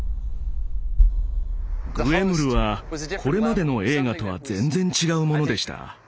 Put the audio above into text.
「グエムル」はこれまでの映画とは全然違うものでした。